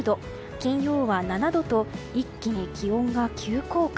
金曜は７度と一気に気温が急降下。